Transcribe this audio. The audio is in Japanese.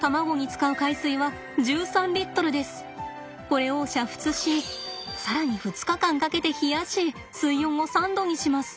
これを煮沸し更に２日間かけて冷やし水温を３度にします。